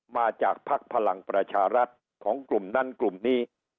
ภักดิ์พลังประชารัฐของกลุ่มนั้นกลุ่มนี้